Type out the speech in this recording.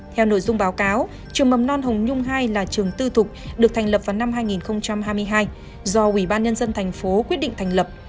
theo nội dung báo cáo trường mầm non hồng nhung hai là trường tư thục được thành lập vào năm hai nghìn hai mươi hai do ủy ban nhân dân thành phố quyết định thành lập